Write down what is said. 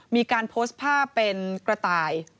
มีการโพสต์ภาพเป็นกระต่าย